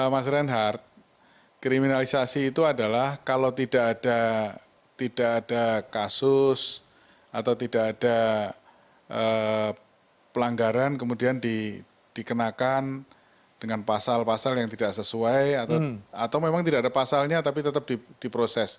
mas reinhardt kriminalisasi itu adalah kalau tidak ada kasus atau tidak ada pelanggaran kemudian dikenakan dengan pasal pasal yang tidak sesuai atau memang tidak ada pasalnya tapi tetap diproses